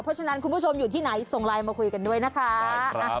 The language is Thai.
เพราะฉะนั้นคุณผู้ชมอยู่ที่ไหนส่งไลน์มาคุยกันด้วยนะคะ